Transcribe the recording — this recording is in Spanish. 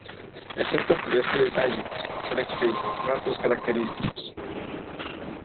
Excepto por este detalle, carece de rasgos característicos.